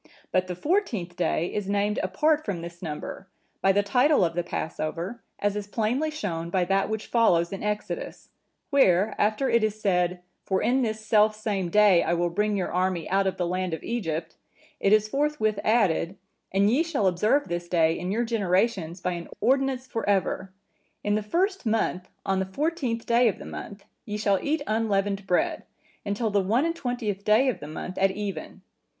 But the fourteenth day is named apart from this number, by the title of the Passover, as is plainly shown by that which follows in Exodus:(959) where, after it is said, 'For in this self same day I will bring your army out of the land of Egypt;' it is forthwith added, 'And ye shall observe this day in your generations by an ordinance for ever. In the first month, on the fourteenth day of the month, ye shall eat unleavened bread, until the one and twentieth day of the month at even.